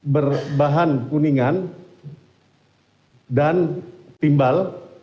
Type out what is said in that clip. berbahan kuningan dan timbal